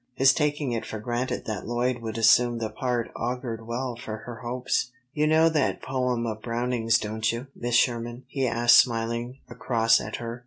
His taking it for granted that Lloyd would assume the part augured well for her hopes. "You know that poem of Browning's, don't you, Miss Sherman?" he asked, smiling across at her.